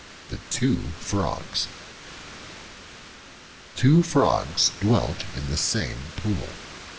The Two Frogs TWO FROGS dwelt in the same pool.